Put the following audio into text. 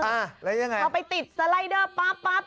อ่าแล้วยังไงเอาไปติดสไลด์เดอร์ป๊าป